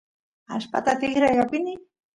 allpata tikray apini